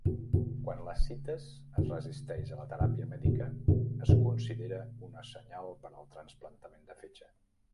Quan l'ascites es resisteix a la teràpia mèdica es considera una senyal per al trasplantament de fetge.